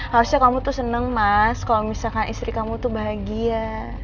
harusnya kamu tuh seneng mas kalau misalkan istri kamu tuh bahagia